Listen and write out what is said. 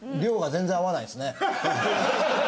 全然合わないですね。